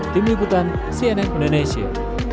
tim liputan cnn indonesia